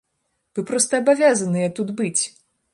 Вы проста абавязаныя тут быць!